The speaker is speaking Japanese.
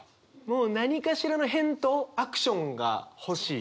もう何かしらの返答アクションが欲しい。